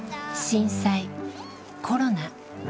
震災コロナ。